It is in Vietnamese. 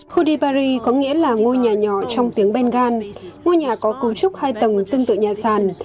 khudi bari có nghĩa là ngôi nhà nhỏ trong tiếng bengal ngôi nhà có cấu trúc hai tầng tương tự nhà sàn